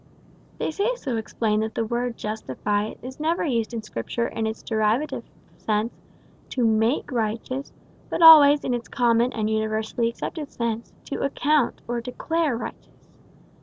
De Seso explained that the word justify is never used in Scripture in its derivative sense, to make righteous; but always in its common and universally accepted sense, to account or declare righteous.